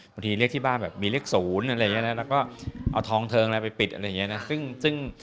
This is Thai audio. บางทีเลขที่บ้านแบบมีเลข๐อะไรอย่างนี้นะแล้วก็เอาทองเทิงอะไรไปปิดอะไรอย่างนี้นะ